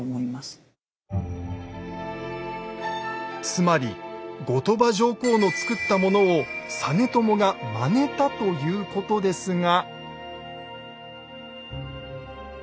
つまり後鳥羽上皇の造ったものを実朝がまねたということですが。